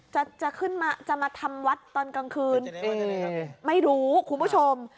จะขึ้นมาจะมาทำวัดตอนกลางคืนไม่รู้คุณผู้ชม